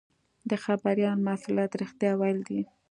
د خبریال مسوولیت رښتیا ویل دي.